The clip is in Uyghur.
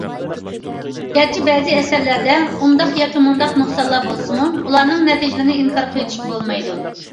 گەرچە بەزى ئەسەرلەردە ئۇنداق ياكى مۇنداق نۇقسانلار بولسىمۇ، ئۇلارنىڭ نەتىجىلىرىنى ئىنكار قىلىۋېتىشكە بولمايدۇ.